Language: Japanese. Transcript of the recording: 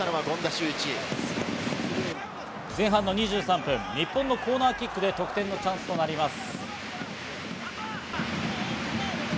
前半の２３分、日本のコーナーキックで得点のチャンスとなります。